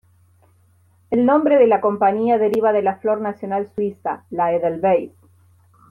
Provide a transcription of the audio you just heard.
El nombre de la compañía deriva de la flor nacional suiza, la Edelweiss.